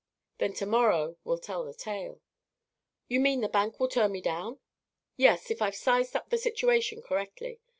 "Then to morrow will tell the tale." "You mean the bank will turn me down?" "Yes, if I've sized up the situation correctly.